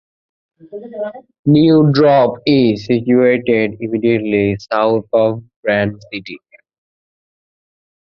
New Dorp is situated immediately south of Grant City.